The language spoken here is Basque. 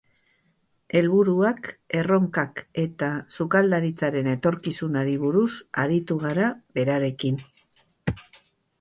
Helburuak, erronkak eta sukaldaritzaren etorkizunari buruz aritu gara berarekin.